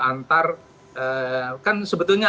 antar kan sebetulnya